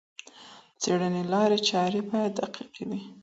د څېړني لارې چارې باید دقیقې وي.